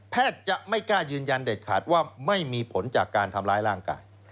จะไม่กล้ายืนยันเด็ดขาดว่าไม่มีผลจากการทำร้ายร่างกาย